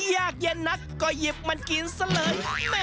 ยากเย็นนักก็หยิบมันกินซะเลย